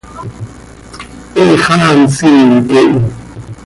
He xaa nsiin quee hi.